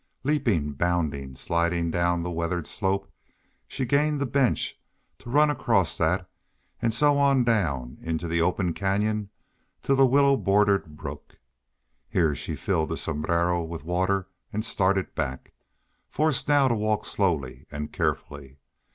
Leaping, bounding, sliding down the weathered slope, she gained the bench, to run across that, and so on down into the open canyon to the willow bordered brook. Here she filled the sombrero with water and started back, forced now to walk slowly and carefully.